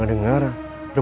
duit tinggal empat puluh ribu